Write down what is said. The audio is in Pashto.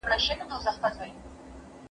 دواړه جرګې څنګه همږغي کېږي؟